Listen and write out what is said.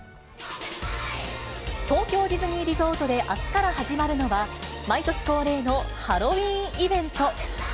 東京ディズニーリゾートで、あすから始まるのは、毎年恒例のハロウィーンイベント。